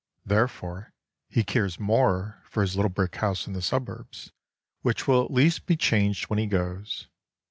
Therefore, he cares more for his little brick house in the suburbs, which will at least be changed when he goes.